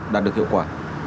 đạt được hiệu quả